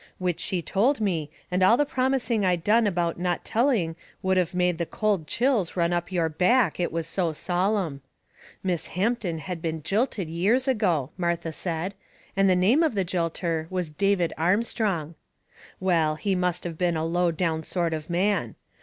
Which she told me, and all the promising I done about not telling would of made the cold chills run up your back, it was so solemn. Miss Hampton had been jilted years ago, Martha said, and the name of the jilter was David Armstrong. Well, he must of been a low down sort of man.